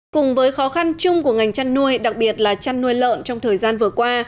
cùng với khó khăn chung của ngành chăn nuôi đặc biệt là chăn nuôi lợn trong thời gian vừa qua